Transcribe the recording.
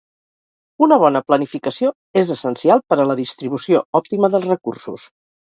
Una bona planificació és essencial per a la distribució òptima dels recursos.